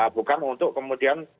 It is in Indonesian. bukan untuk kemudian